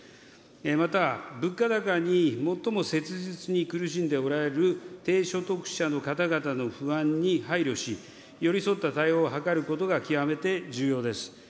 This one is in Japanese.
また物価高に最も切実に苦しんでおられる低所得者の方々の不安に配慮し、寄り添った対応をはかることが極めて重要です。